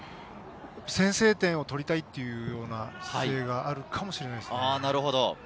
先制点を取りたいっていうような姿勢があるかもしれないですね。